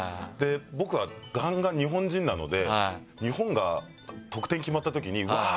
僕はガンガン日本人なので日本が得点決まったときにうわぁ！